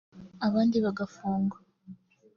abandi bagafungwa